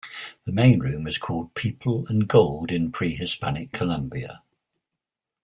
The main room is called "People and Gold in pre-Hispanic Colombia".